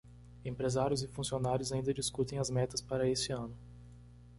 Empresários e funcionários ainda discutem as metas para esse ano.